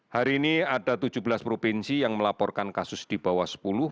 hari ini ada tujuh belas provinsi yang melaporkan kasus di bawah sepuluh